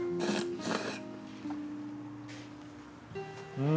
うん。